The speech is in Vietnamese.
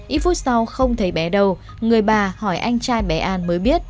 ít phút sau không thấy bé đầu người bà hỏi anh trai bé an mới biết